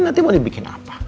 nanti mau dibikin apa